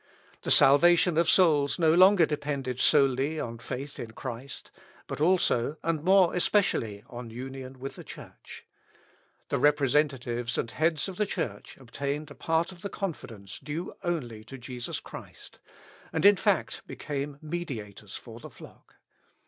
The salvation of souls no longer depended solely on faith in Christ, but also, and more especially, on union with the Church. The representatives and heads of the Church obtained a part of the confidence due only to Jesus Christ, and in fact became mediators for the flock.